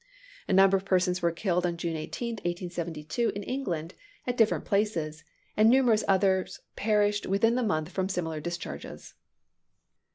A number of persons were killed on June 18, 1872, in England, at different places; and numerous others perished within the month from similar discharges.